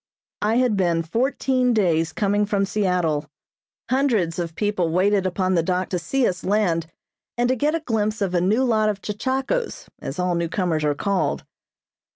I had been fourteen days coming from Seattle. Hundreds of people waited upon the dock to see us land, and to get a glimpse of a new lot of "Chechakos," as all newcomers are called.